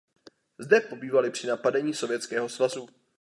Zde pobývali při napadení Sovětského svazu.